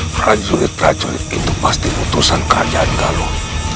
perancurit perancurit itu pasti putusan kerajaan galung